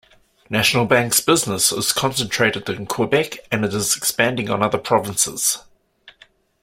National Bank's business is concentrated in Quebec, and it is expanding on other provinces.